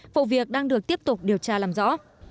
vụ việc đang được tiếp tục điều tra làm rõ